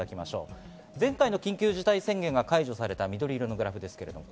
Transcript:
前回の緊急事態宣言が解除された緑色のグラフ。